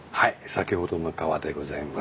先ほどの川でございます。